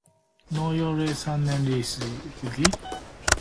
能用到三年就很了不起